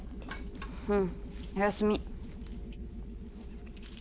うんおやすみ。